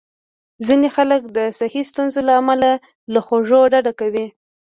ځینې خلک د صحي ستونزو له امله له خوږو ډډه کوي.